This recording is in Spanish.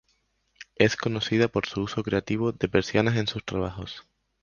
Es conocida por su uso creativo de persianas en sus trabajos.